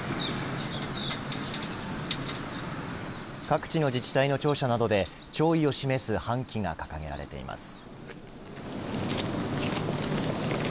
各地の自治体の庁舎などで弔意を示す半旗が掲げられています。